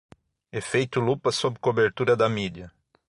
Efeito lupa sob cobertura da mídia